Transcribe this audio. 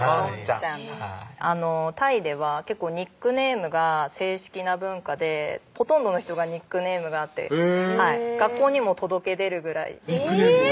タイでは結構ニックネームが正式な文化でほとんどの人がニックネームがあって学校にも届け出るぐらいニックネームを？